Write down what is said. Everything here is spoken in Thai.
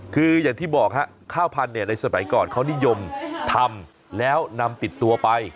คืออย่างที่บอกฮะข้าวพันธุ์ในสมัยก่อนเขานิยมทำแล้วนำติดตัวไป